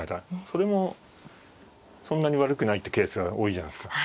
それもそんなに悪くないってケースが多いじゃないですか。